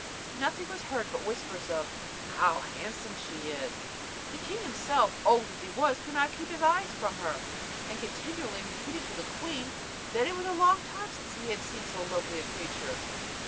Nothing was heard but whispers of "How handsome she is!" The king himself, old as he was, could not keep his eyes from her, and continually repeated to the queen, that it was a long time since he had seen so lovely a creature.